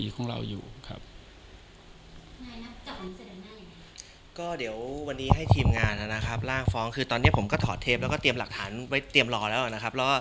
ก็เดี๋ยววันนี้ให้ทีมงานนะครับร่างฟ้องคือตอนนี้ผมก็ถอดเทปแล้วก็เตรียมหลักฐานไว้เตรียมรอแล้วนะครับ